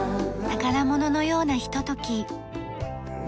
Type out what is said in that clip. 宝物のようなひととき。